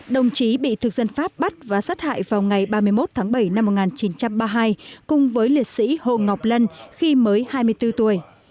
đồng chí bị thực dân pháp bắt và sát hại vào ngày ba mươi một tháng bảy năm một nghìn chín trăm ba mươi hai cùng với liệt sĩ hồ ngọc lân khi mới hai mươi bốn tuổi